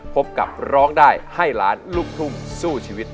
พบกับร้องได้ให้ล้านลูกทุ่งสู้ชีวิต